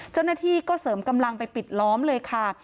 เจ้าหน้าที่ก็เสริมกำลังไปปิดล้อมเลยค่ะ